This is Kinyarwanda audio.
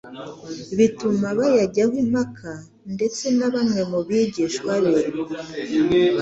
bituma bayajyaho impaka. Ndetse na bamwe mu bigishwa be